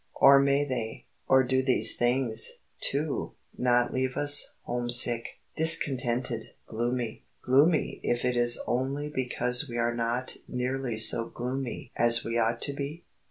Or may they? Or do these things too not leave us home sick, discontented, gloomy gloomy if it is only because we are not nearly so gloomy as we ought to be?